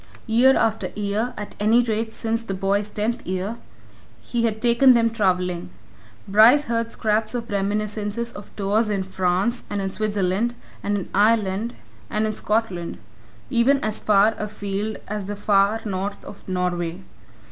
Year after year at any rate since the boy's tenth year he had taken them travelling; Bryce heard scraps of reminiscences of tours in France, and in Switzerland, and in Ireland, and in Scotland even as far afield as the far north of Norway.